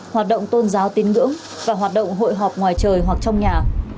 hoạt động tôn giáo tín ngưỡng và hoạt động hội họp ngoài trời hoặc trong nhà